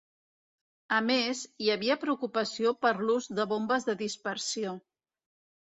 A més, hi havia preocupació per l'ús de bombes de dispersió.